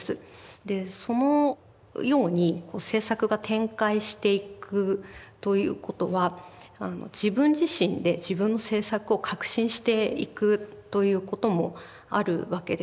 でそのように制作が展開していくということは自分自身で自分の制作を革新していくということもあるわけです。